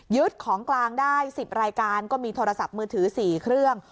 ของกลางได้๑๐รายการก็มีโทรศัพท์มือถือ๔เครื่อง